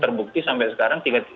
terbukti sampai sekarang tiga